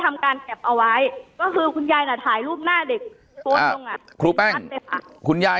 ทำการแก็บเอาไว้ก็คือคุณยายถ่ายรูปหน้าเด็กครูแป้งคุณยาย